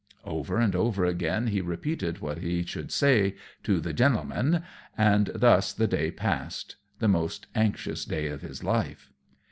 Over and over again he repeated what he should say to the "gintlemen," and thus the day passed; the most anxious day of his life.